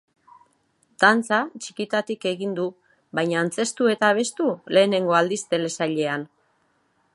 Dantza, txikitatik egin du, baina antzeztu eta abestu lehenengo aldiz telesailean.